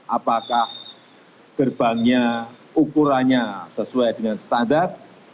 apakah gerbangnya ukurannya sesuai dengan standar